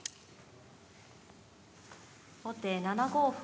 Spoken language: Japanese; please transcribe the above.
後手７五歩。